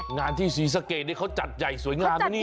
งานที่ศรีสะเกดนี่เขาจัดใหญ่สวยงามนะเนี่ย